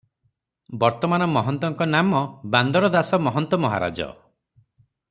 ବର୍ତ୍ତମାନ ମହନ୍ତଙ୍କ ନାମ ବାନ୍ଦର ଦାସ ମହନ୍ତ ମହାରାଜ ।